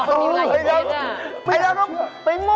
อันนี้ใช่ไหมเออ